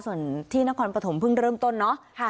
ส่วนที่นครปฐมเพิ่งเริ่มต้นเนาะ